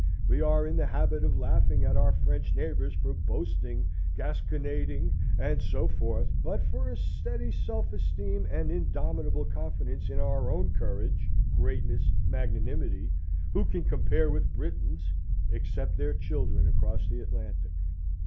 We are in the habit of laughing at our French neighbours for boasting, gasconading, and so forth; but for a steady self esteem and indomitable confidence in our own courage, greatness, magnanimity; who can compare with Britons, except their children across the Atlantic?